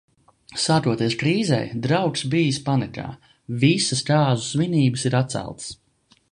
Sākoties krīzei, draugs bijis panikā – visas kāzu svinības ir atceltas.